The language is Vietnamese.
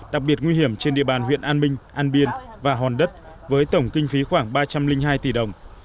đặc biệt nguy hiểm trên địa bàn huyện an minh an biên và hòn đất với tổng kinh phí khoảng ba trăm linh hai tỷ đồng